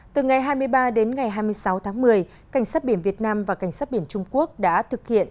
từ ngày hai mươi ba đến ngày hai mươi sáu tháng một mươi cảnh sát biển việt nam và cảnh sát biển trung quốc đã thực hiện